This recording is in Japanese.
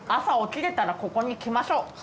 朝起きれたらここに来ましょう。